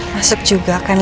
masuk juga kan lu